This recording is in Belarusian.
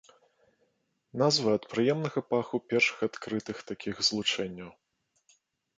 Назва ад прыемнага паху першых адкрытых такіх злучэнняў.